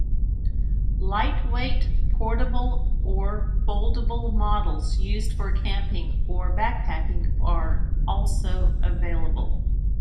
Lightweight portable or foldable models used for camping or back-packing are also available.